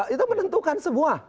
itu menentukan semua